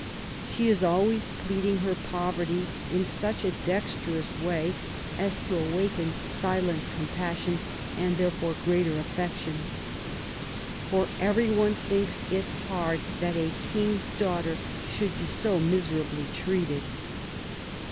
She is always pleading her poverty, in such a dexterous way as to awaken silent compassion and therefore greater affection. For every one thinks it hard that a King's daughter should be so miserably treated.